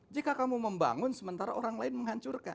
jika kamu membangun sementara orang lain menghancurkan